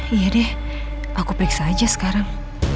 iya deh aku periksa aja sekarang